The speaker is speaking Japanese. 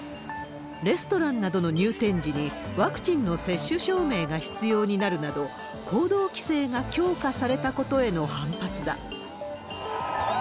レストランなどの入店時にワクチンの接種証明が必要になるなど、行動規制が強化されたことへの反発だ。